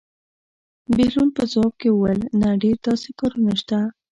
بهلول په ځواب کې وویل: نه ډېر داسې کارونه شته.